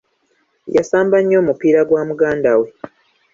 Yasamba nnyo omupiira gwa muganda we.